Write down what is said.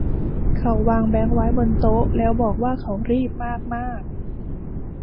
เขาวางแบงค์ไว้บนโต๊ะแล้วบอกว่าเขารีบมากมาก